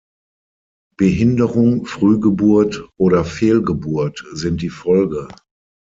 Behinderung, Frühgeburt oder Fehlgeburt sind die Folge.